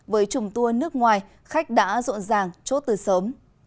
với trùng tour nước ngoài khách đã rộn ràng chốt từ sớm